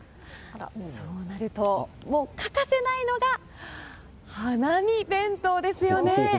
そうなると欠かせないのが花見弁当ですよね。